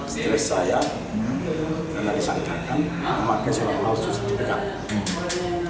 stres saya karena disangkakan makanya selalu selalu susah di dekat